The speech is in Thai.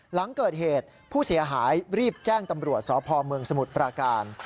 หลังเกิดเหตุผู้เสียหายรีบแจ้งตำรวจสพเมืองสมุทรปราการ